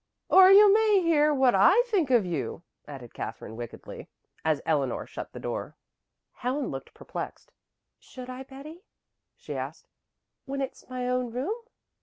"Or you may hear what I think of you," added Katherine wickedly, as Eleanor shut the door. Helen looked perplexed. "Should I, Betty?" she asked, "when it's my own room."